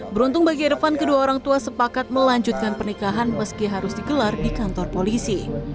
beruntung bagi irfan kedua orang tua sepakat melanjutkan pernikahan meski harus digelar di kantor polisi